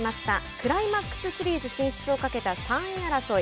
クライマックスシリーズ進出をかけた３位争い。